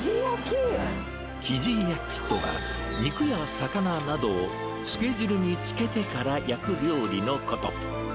きじ焼きとは、肉や魚などをつけ汁につけてから焼く料理のこと。